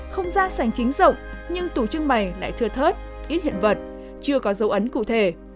không gian sành chính rộng nhưng tủ trưng bày lại thưa thớt ít hiện vật chưa có dấu ấn cụ thể